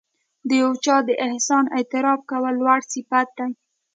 د یو چا د احسان اعتراف کول لوړ صفت دی.